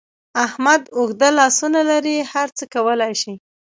احمد اوږده لاسونه لري؛ هر څه کولای شي.